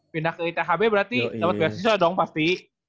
pindah ke ithb berarti dapat beasiswa dong pasti